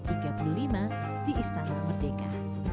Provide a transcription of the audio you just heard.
di istana merdeka